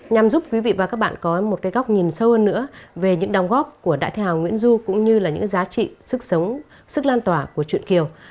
nhằm giúp quý vị và các bạn có một cái góc nhìn sâu hơn nữa về những đóng góp của đại thi hào nguyễn du cũng như là những giá trị sức sống sức lan tỏa của chuyện kiều